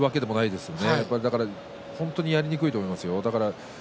ですから本当にやりにくいと思いますよ。